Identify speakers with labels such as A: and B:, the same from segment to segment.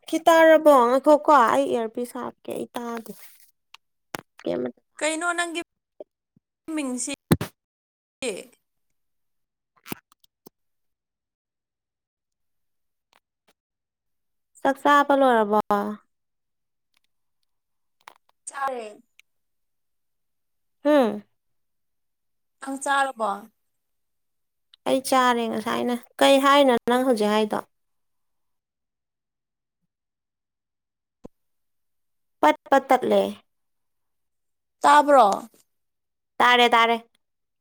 A: ꯁꯤꯈꯤ ꯇꯥꯔꯕꯣ ꯉꯩꯈꯣꯀꯣ ꯑꯩ ꯏꯌꯥꯔꯄꯤꯁ ꯍꯥꯞꯀꯦ ꯑꯩ ꯇꯥꯒꯦ ꯀꯃ
B: ꯀꯩꯅꯣ ꯅꯪꯒꯤ ꯃꯤꯡꯁꯤ
A: ꯆꯥꯛ ꯆꯥꯕ ꯂꯣꯏꯔꯕꯣ
B: ꯆꯔꯦ
A: ꯍꯝ
B: ꯑꯪ ꯆꯥꯔꯕꯣ
A: ꯑꯩ ꯆꯥꯔꯦ ꯉꯁꯥꯏꯅ ꯀꯩ ꯍꯥꯏꯔꯤꯅꯣꯣ ꯅꯪ ꯍꯧꯖꯤꯛ ꯍꯥꯏꯗꯣ ꯄꯠ ꯄ ꯇꯠꯂꯦ
B: ꯇꯥꯕ꯭ꯔꯣ
A: ꯇꯥꯔꯦ ꯇꯥꯔꯦ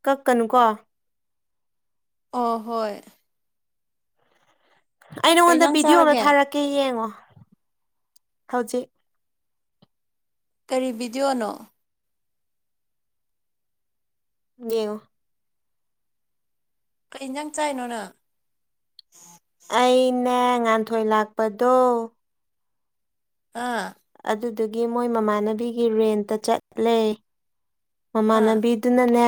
A: ꯀꯛꯀꯅꯨ ꯀꯣ
B: ꯑ ꯍꯣꯏ
A: ꯑꯩ
B: ꯀꯩ
A: ꯅꯉꯣꯟꯗ
B: ꯏꯟꯖꯥꯡ
A: ꯚꯤꯗꯤꯑꯣ ꯑꯃ
B: ꯆꯥꯔꯒꯦ
A: ꯊꯥꯔꯛꯀꯦ ꯌꯦꯡꯉꯣ ꯍꯧꯖꯤꯛ
B: ꯀꯔꯤ ꯕꯤꯗꯤꯑꯣꯅꯣ
A: ꯌꯦꯉ
B: ꯀ ꯏꯟꯖꯥꯡ ꯆꯥꯏꯅꯣꯅ
A: ꯑꯩꯅ ꯉꯥꯟꯊꯣꯏ ꯂꯥꯛꯄꯗꯣ
B: ꯑꯥ
A: ꯑꯗꯨꯒꯤ ꯃꯣꯏ ꯃꯃꯥꯟꯅꯕꯤꯒꯤ ꯔꯦꯟꯇ ꯆꯠꯂꯦ
B: ꯑꯥ
A: ꯃꯃꯥꯟꯅꯕꯤꯗꯨꯅꯅꯦ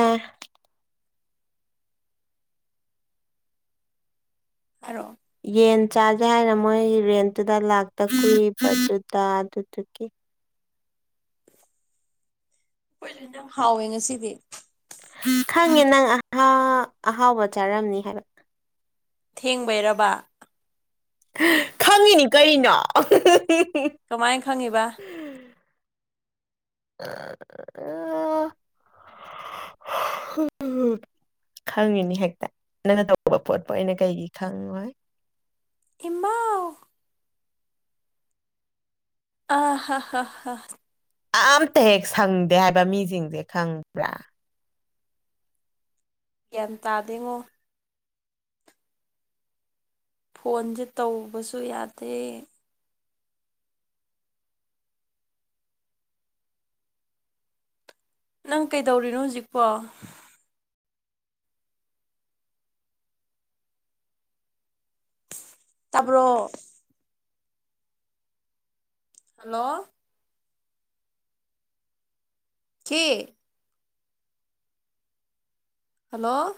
B: ꯑꯔꯣ
A: ꯌꯦꯟ ꯆꯥꯥꯁꯦ ꯍꯥꯏꯅ ꯃꯣꯏ ꯔꯦꯟꯠꯇꯨꯗ ꯂꯥꯛꯇ ꯀꯨꯏꯕꯗꯨꯗ ꯑꯗꯨꯗꯨꯒꯤ
B: ꯍꯥꯎꯋꯦ ꯉꯁꯤꯗꯤ
A: ꯈꯪꯉꯦ ꯅꯪ ꯑꯍꯥꯎꯕ ꯆꯥꯔꯝꯅꯤ ꯍꯥꯏꯕ
B: ꯊꯦꯡꯕꯩꯔꯕ
A: ꯈꯪꯉꯤꯅꯤ ꯀꯅꯣ
B: ꯀꯃꯥꯏꯅ ꯈꯪꯉꯤꯕ
A: [inaudible] ꯈꯪꯉꯤꯅꯤ ꯍꯦꯛꯇ ꯅꯅ ꯇꯧꯕ ꯄꯣꯠꯄꯨ ꯑꯩꯅ ꯀꯩꯒꯤ ꯈꯪꯉꯣꯏ
B: ꯍꯥꯎ ꯑ ꯍꯥꯥ ꯍꯥ ꯍ
A: ꯑꯝꯇ ꯍꯦꯛ ꯁꯪꯗꯦ ꯍꯥꯏꯕ ꯃꯤꯁꯤꯡꯁꯦ ꯈꯪꯕ꯭ꯔꯥ
B: ꯒ꯭ꯌꯥꯟ ꯇꯥꯗꯦꯉꯣ ꯐꯣꯟꯁꯦ ꯇꯧꯕꯁꯨ ꯌꯥꯗꯦ ꯅꯪ ꯀꯩꯗꯧꯔꯤꯅꯣ ꯍꯧꯖꯤꯛꯄꯣ ꯇꯥꯄꯣ ꯍꯜꯂꯣ ꯆ ꯍꯜꯂꯣ